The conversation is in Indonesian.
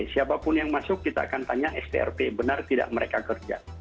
siapapun yang masuk kita akan tanya strp benar tidak mereka kerja